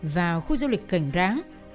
vào khu du lịch cảnh ráng